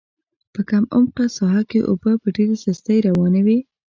په کم عمقه ساحه کې اوبه په ډېره سستۍ روانې وې.